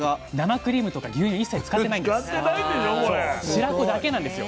白子だけなんですよ。